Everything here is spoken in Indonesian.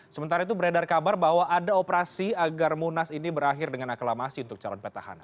sementara itu beredar kabar bahwa ada operasi agar munas ini berakhir dengan aklamasi untuk calon petahana